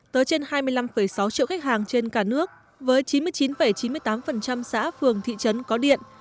tới trên hai mươi năm sáu triệu khách hàng trên cả nước với chín mươi chín chín mươi tám xã phường thị trấn có điện